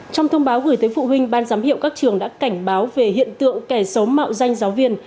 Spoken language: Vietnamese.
trong thông báo gửi tới phụ huynh ban giám hiệu các trường đã cảnh báo về hiện tượng kẻ xấu mạo danh giáo viên